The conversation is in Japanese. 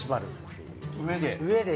上で？